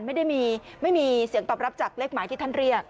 ไม่มีไม่มีเสียงตอบรับจากเลขหมายที่ท่านเรียก